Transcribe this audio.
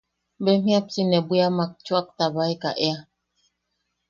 Bem jiapsi ne bwiamak chuʼaktabaeka ea.